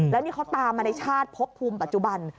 แล้วนี่เขาตามมาในชาติพบภูมิปัจจุบัน